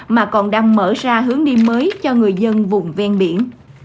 mà còn đang mở ra hướng đi mới cho người dân vùng ven biển